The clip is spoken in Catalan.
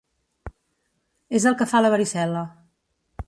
És el que fa la varicel·la.